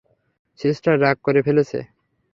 Sister রাগ করে ফেলেছে।